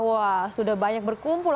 wah sudah banyak berkumpul